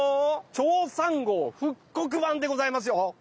チョーさん号復刻版でございますよ。